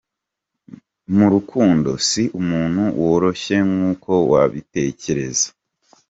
Mu rukundo, si umuntu woroshye nk’uko wabitekereza.